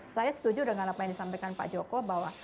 saya setuju dengan apa yang disampaikan pak joko bahwa